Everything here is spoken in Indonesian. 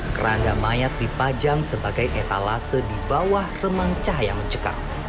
keranda mayat dipajang sebagai etalase di bawah remang cahaya mencekam